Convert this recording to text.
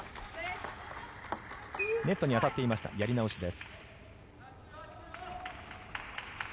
ネットに当たっていましたやり直しです。